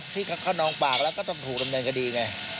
ต้องถูกดำเนินคดีไง